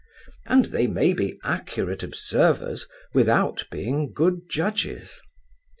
And they may be accurate observers without being good judges.